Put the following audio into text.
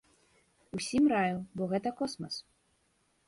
Усім раю, бо гэта космас!